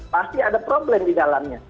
pasti ada problem di dalamnya